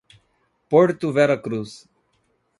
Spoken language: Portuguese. Porto Vera Cruz